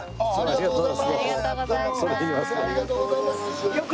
ありがとうございます！